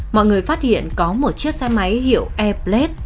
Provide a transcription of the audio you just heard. mọi người phát hiện có một chiếc xe máy hiệu e plate